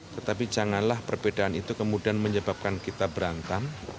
tetapi janganlah perbedaan itu kemudian menyebabkan kita berantem